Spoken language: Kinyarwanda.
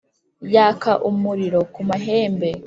yaka umuriro ku mahembe